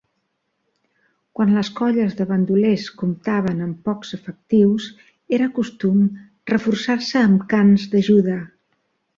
Quan les colles de bandolers comptaven amb pocs efectius, era costum reforçar-se amb cans d'ajuda.